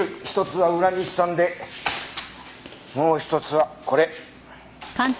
１つは浦西さんでもう１つはこれ。